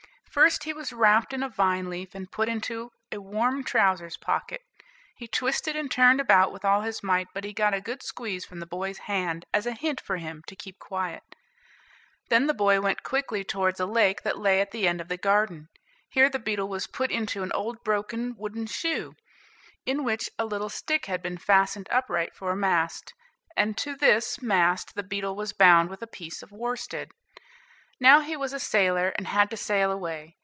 First, he was wrapped, in a vine leaf, and put into a warm trousers' pocket. He twisted and turned about with all his might, but he got a good squeeze from the boy's hand, as a hint for him to keep quiet. Then the boy went quickly towards a lake that lay at the end of the garden. Here the beetle was put into an old broken wooden shoe, in which a little stick had been fastened upright for a mast, and to this mast the beetle was bound with a piece of worsted. Now he was a sailor, and had to sail away.